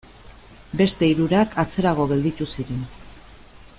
Beste hirurak atzerago gelditu ziren.